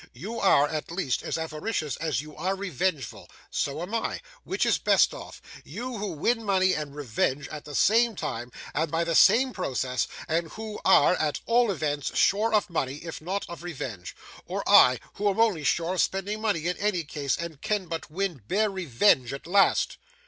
You are, at least, as avaricious as you are revengeful. So am I. Which is best off? You, who win money and revenge, at the same time and by the same process, and who are, at all events, sure of money, if not of revenge; or I, who am only sure of spending money in any case, and can but win bare revenge at last?